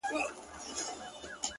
چي پكښي خوند پروت وي!!